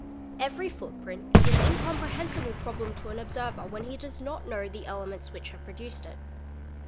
Every footprint is an incomprehensible problem to an observer whe | he does not know the elements which have produced it.